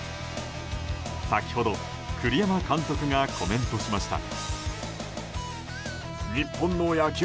先ほど栗山監督がコメントしました。